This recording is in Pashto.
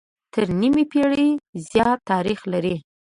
تر نيمې پېړۍ زيات تاريخ لري